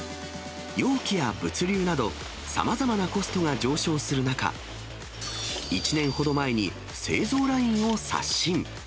容器や物流など、さまざまなコストが上昇する中、１年ほど前に製造ラインを刷新。